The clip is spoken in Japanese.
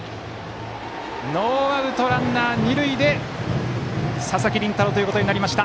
ノーアウトランナー、二塁で佐々木麟太郎ということになりました。